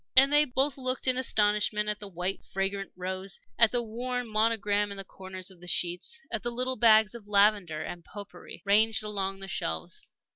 And they both looked in astonishment at the white, fragrant rows, at the worn monogram in the corners of the sheets, at the little bags of lavender and pot pourri ranged along the shelves.